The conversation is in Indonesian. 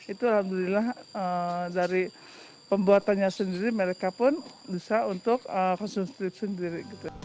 itu alhamdulillah dari pembuatannya sendiri mereka pun bisa untuk konsumsi sendiri